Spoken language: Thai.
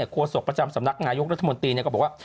โศกประจำสำนักนายกรัฐมนตรีก็บอกว่า